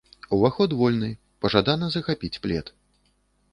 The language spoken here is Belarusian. Уваход вольны, пажадана захапіць плед.